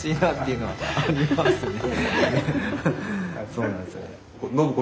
そうなんですよね。